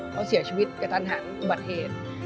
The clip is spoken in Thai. เขาเสียชีวิตกับท่านหังบัตรเหตุ